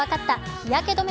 日焼け止め